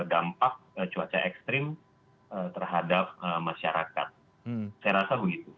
dampak cuaca ekstrim terhadap masyarakat saya rasa begitu